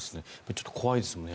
ちょっと怖いですね。